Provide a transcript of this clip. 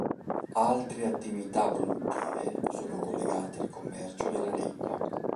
Altre attività produttive sono collegate al commercio della legna.